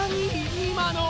今の！